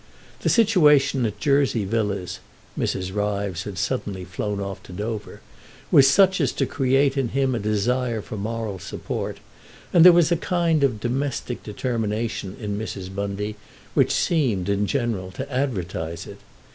The situation at Jersey Villas (Mrs. Ryves had suddenly flown off to Dover) was such as to create in him a desire for moral support, and there was a kind of domestic determination in Mrs. Bundy which seemed, in general, to advertise it.